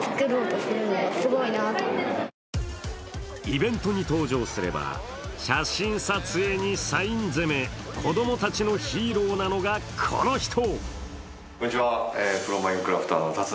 イベントに登場すれば写真撮影にサイン攻め、子供たちのヒーローなのがこの人。